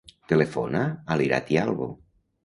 Telefona a l'Irati Albo.